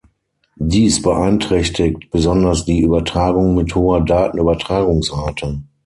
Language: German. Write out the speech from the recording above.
Dies beeinträchtigt besonders die Übertragung mit hoher Datenübertragungsrate.